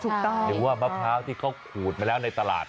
หรือว่ามะพร้าวที่เขาขูดมาแล้วในตลาด